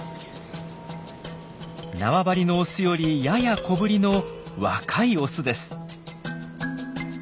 縄張りのオスよりやや小ぶりの若いオスです。